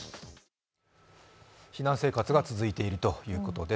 避難生活が続いているということです。